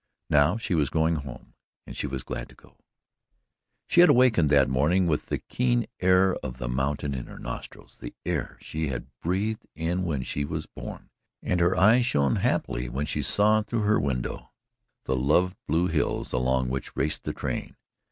Now she was going home and she was glad to go. She had awakened that morning with the keen air of the mountains in her nostrils the air she had breathed in when she was born, and her eyes shone happily when she saw through her window the loved blue hills along which raced the train.